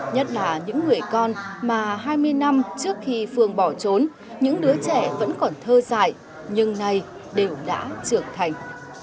nhất là những người con mà hai mươi năm trước khi phương bỏ trốn những đứa trẻ vẫn còn thơ dại nhưng nay đều đã trưởng thành